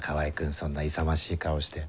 そんな勇ましい顔して。